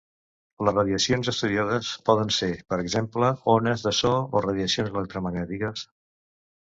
Les radiacions estudiades poden ser, per exemple, ones de so o radiacions electromagnètiques.